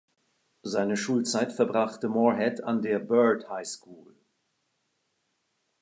Seine Schulzeit verbrachte Morehead an der Byrd High School.